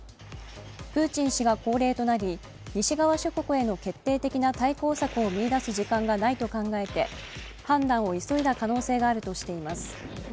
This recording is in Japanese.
プーチン氏が高齢となり西側諸国への決定的な対抗策を見いだす時間がないと考えて判断を急いだ可能性があるとしています。